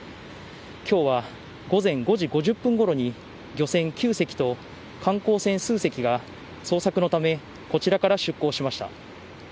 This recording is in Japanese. きょうは午前５時５０分ごろに、漁船９隻と観光船数隻が捜索のため、こちらから出港しました。